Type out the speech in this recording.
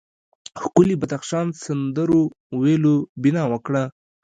ښکلي بدخشان سندرو ویلو بنا وکړه.